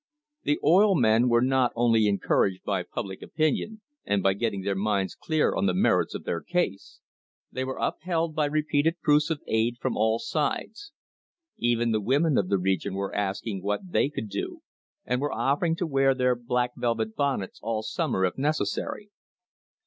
The oil men were not only encouraged by public opinion and by getting their minds clear on the merits of their case; they were upheld by repeated proofs of aid from all sides; even the women of the region were asking what they could do, and were offering to wear their "black velvet bonnets" all summer if necessary.